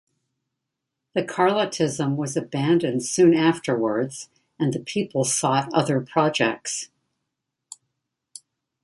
The Carlotism was abandoned soon afterwards, and the people sought other projects.